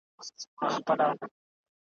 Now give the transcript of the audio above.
که ژړل دي په سرو سترګو نو یوازي وایه ساندي ,